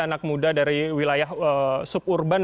anak muda dari wilayah suburban